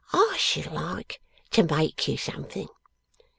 I should like to make you something.